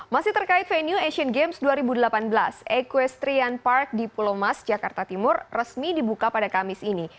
masih terkait venue asian games dua ribu delapan belas equestrian park di pulau mas jakarta timur resmi dibuka pada kamis ini